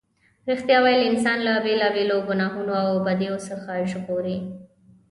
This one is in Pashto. رښتیا ویل انسان له بېلا بېلو گناهونو او بدیو څخه ژغوري.